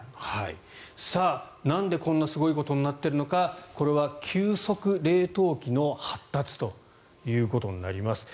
なんで、こんなすごいことになっているのかこれは急速冷凍機の発達ということになります。